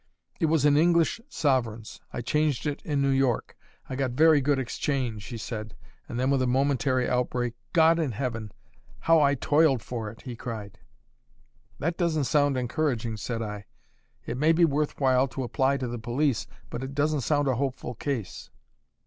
"It was in English sovereigns. I changed it in New York; I got very good exchange," he said, and then, with a momentary outbreak, "God in heaven, how I toiled for it!" he cried. "That doesn't sound encouraging," said I. "It may be worth while to apply to the police, but it doesn't sound a hopeful case."